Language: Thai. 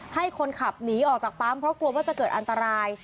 ให้คนขับหนีออกจากปั๊มเพราะกลัวว่าจะเกิดอันตราย